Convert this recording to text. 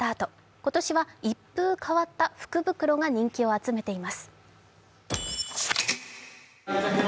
今年は一風変わった福袋が人気を集めています。